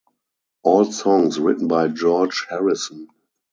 All songs written by George Harrison.